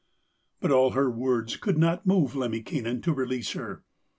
But all her words could not move Lemminkainen to release her.